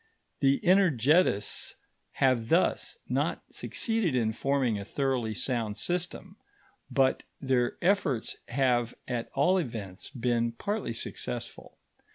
The energetists have thus not succeeded in forming a thoroughly sound system, but their efforts have at all events been partly successful.